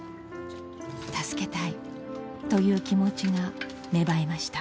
「助けたい」という気持ちが芽生えました。